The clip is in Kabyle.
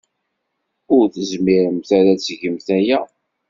Ur tezmiremt ara ad tgemt aya!